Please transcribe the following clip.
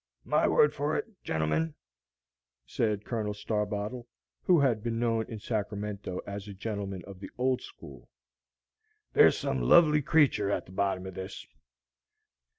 "My word for it, gentlemen," said Colonel Starbottle, who had been known in Sacramento as a Gentleman of the Old School, "there's some lovely creature at the bottom of this."